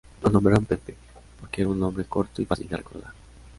Lo nombraron "Pepe" porque era un nombre corto y fácil de recordar.